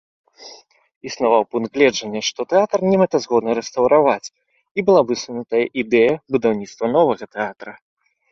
Існаваў пункт гледжання, што тэатр немэтазгодна рэстаўрыраваць, і была высунутая ідэя будаўніцтва новага тэатра.